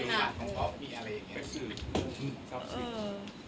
คนรอบตัวขวัดไม่ได้